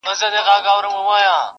څوټپې نمکیني څو غزل خواږه خواږه لرم,